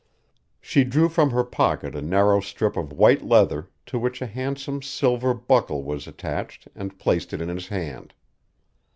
She drew from her pocket a narrow strip of white leather to which a handsome silver buckle was attached and placed it in his hand.